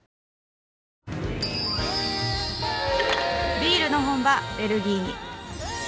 ビールの本場ベルギーに。